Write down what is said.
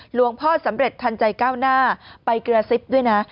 หลวงพ่อสำเร็จทันใจก้าวหน้าไปกระซิบด้วยนะ